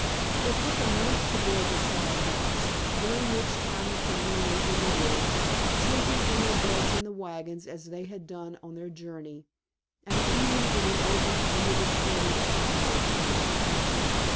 It took a month to build the sod house, during which time the family lived in the woods, sleeping in their beds in the wagons as they had done on their journey, and eating in the open under the spreading cottonwood trees.